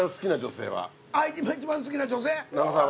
今一番好きな女性？